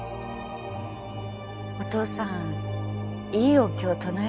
お父さんいいお経唱えるんだ。